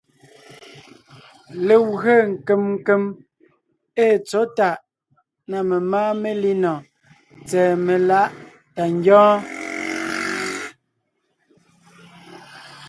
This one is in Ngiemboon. Legwé nkèm nkèm ée tsɔ̌ tàʼ na memáa melínɔɔn tsɛ̀ɛ meláʼ tà ngyɔ́ɔn.